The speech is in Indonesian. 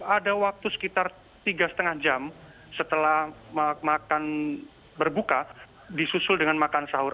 ada waktu sekitar tiga lima jam setelah makan berbuka disusul dengan makan sahur